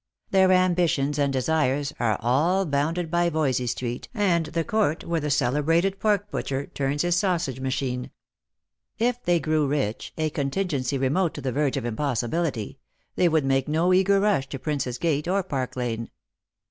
Their ambitions and desires are all bounded by Voysey street, and the court where the celebrated pork putcher turns his sausage machine. If they grew rich — a contingency remote to the verge of impossibility — they would make no eager rush to Prince's gate or Park lane.